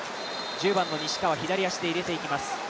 １０番の西川、左足で入れていきます。